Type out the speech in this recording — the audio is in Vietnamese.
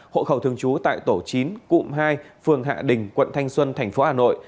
hộ khẩu thường chú tại tổ chín cụm hai phường hạ đình quận thanh xuân tp hà nội